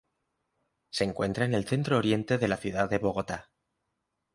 Se encuentra en el centro oriente de la ciudad de Bogotá.